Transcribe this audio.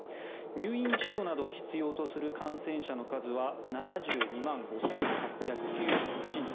入院治療などを必要とする感染者の数は７２万５８９８人。